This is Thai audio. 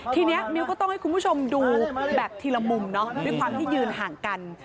ทีนี้มิ้วก็ต้องให้คุณผู้ชมดูแบบทีละมุมเนาะด้วยความที่ยืนห่างกัน